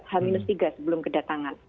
h tiga sebelum kedatangan